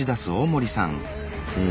うん。